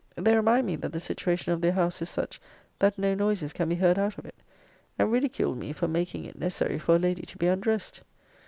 They remind me, that the situation of their house is such, that no noises can be heard out of it; and ridicule me for making it necessary for a lady to be undressed.